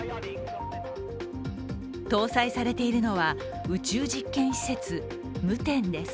搭載されているのは宇宙実験施設、夢天です。